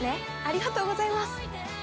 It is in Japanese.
ありがとうございます。